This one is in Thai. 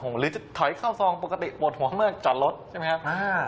หรือจะถอยเข้าซองปกติปวดหัวเมื่อจอดรถใช่ไหมครับ